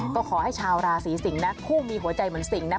ก็ขอให้ชาวราศีสิงศ์นะคู่มีหัวใจเหมือนสิ่งนะ